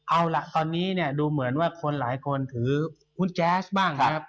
เอาล่ะตอนนี้เนี่ยดูเหมือนว่าคนหลายคนถือหุ้นแจ๊สบ้างนะครับ